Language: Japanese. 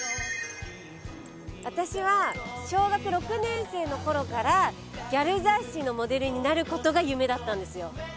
私は小学６年生のころからギャル雑誌のモデルになることが夢だったんですよ。